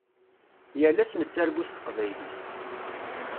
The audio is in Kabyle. Yal ass nettargu s teqbaylit.